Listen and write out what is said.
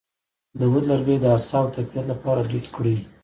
د عود لرګی د اعصابو د تقویت لپاره دود کړئ